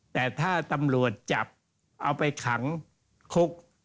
แต่ถ้าตำรวจจับเอาไปขังคุก